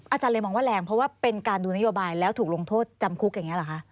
อาจารย์เลยมองว่าแรงเพราะว่าเป็นการดูนโยบายแล้วถูกลงโทษจำคุกอย่างนี้เหรอคะ